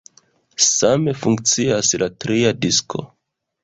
Same funkcias la tria disko.